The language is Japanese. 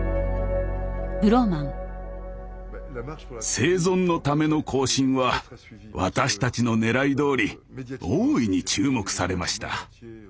「生存のための行進」は私たちのねらいどおり大いに注目されました。